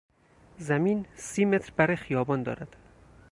زمین سی متر بر خیابان دارد.